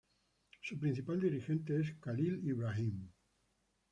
Su principal dirigente es Khalil Ibrahim.